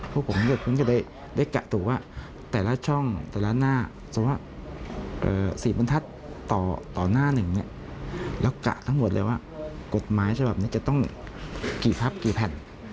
พวกผมโดยเข้าคุณจะได้กะถูกว่าแต่ละช่องแต่ละหน้า